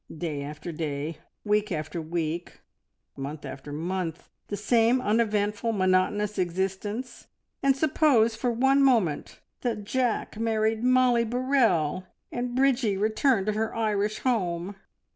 Day after day, week after week, month after month, the same uneventful, monotonous existence and suppose for one moment that Jack married Mollie Burrell, and Bridgie returned to her Irish home!